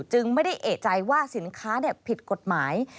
ไม่ได้เอกใจว่าสินค้าผิดกฎหมาย